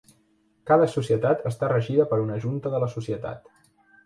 Cada societat està regida per una junta de la societat.